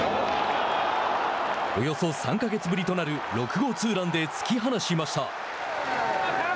およそ３か月ぶりとなる６号ツーランで突き放しました。